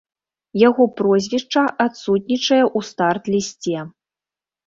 Яго прозвішча адсутнічае ў старт-лісце.